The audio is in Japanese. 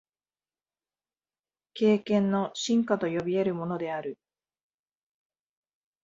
経験の深化と呼び得るものである。